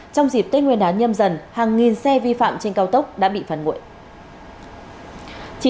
trong dịp tết nguyên đán nhâm dần hàng nghìn xe vi phạm trên cao tốc đã bị phản nguội